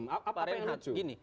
apa yang lucu